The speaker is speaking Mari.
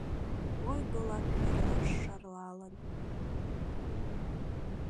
Ойго лап верлаш шарлалын